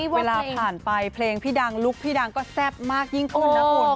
เวลาผ่านไปเพลงพี่ดังลุคพี่ดังก็แซ่บมากยิ่งขึ้นนะคุณ